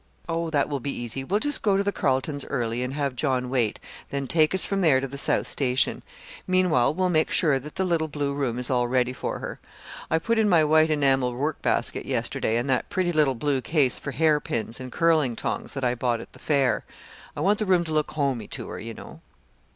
"Oh, that will be easy. We'll just go to the Carletons' early and have John wait, then take us from there to the South Station. Meanwhile we'll make sure that the little blue room is all ready for her. I put in my white enamel work basket yesterday, and that pretty little blue case for hairpins and curling tongs that I bought at the fair. I want the room to look homey to her, you know."